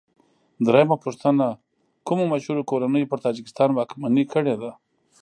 درېمه پوښتنه: کومو مشهورو کورنیو پر تاجکستان واکمني کړې ده؟